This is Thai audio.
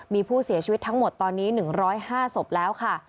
มีผู้เสียชีวิตทั้งหมดตอนนี้๑๐๕ศพแล้วค่ะ